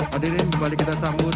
hadirin kembali kita sambut